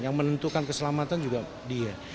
yang menentukan keselamatan juga dia